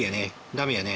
ダメやね。